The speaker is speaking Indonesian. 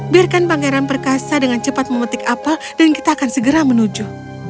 biarkan pangeran perkasa dengan cepat memetik apel dan kita akan segera menuju